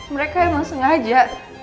mereka emang sengaja